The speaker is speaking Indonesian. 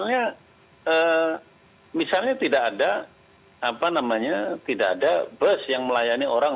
misalnya tidak ada apa namanya tidak ada bus yang melayani orang